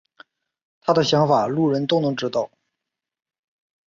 他的想法路人都能知道了。